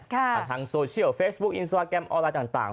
ทางโซเชียลเฟซบุ๊คอินสตราแกรมออนไลน์ต่าง